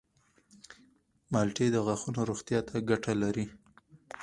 مالټې د غاښونو روغتیا ته ګټه لري.